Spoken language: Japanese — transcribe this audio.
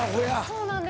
そうなんです。